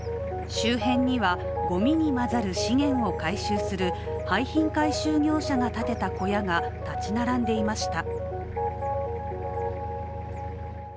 周辺には、ごみに混ざる資源を回収する廃品回収業者が建てた小屋が建ち並んでいました。